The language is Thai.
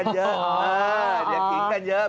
อยากหิงกันเยอะ